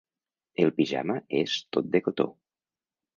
El pijama és tot de cotó.